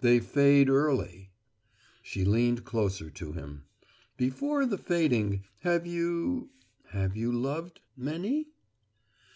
"They fade early." She leaned closer to him. "Before the fading have you have you loved many?"